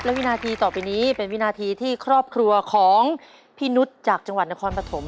และวินาทีต่อไปนี้เป็นวินาทีที่ครอบครัวของพี่นุษย์จากจังหวัดนครปฐม